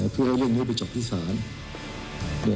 เพื่อเอาเรื่องนี้ไปจบที่ศาล